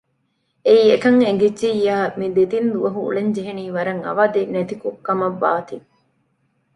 އެއީ އެކަން އެނގިއްޖެއްޔާ މި ދެތިން ދުވަހު އުޅެންޖެހޭނީ ވަރަށް އަވަދިނެތި ކޮށް ކަމަށް ވާތީ